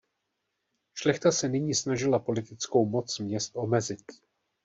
Šlechta se nyní snažila politickou moc měst omezit.